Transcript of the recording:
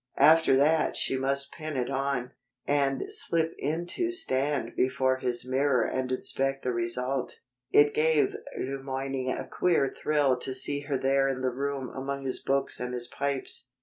After that she must pin it on, and slip in to stand before his mirror and inspect the result. It gave Le Moyne a queer thrill to see her there in the room among his books and his pipes.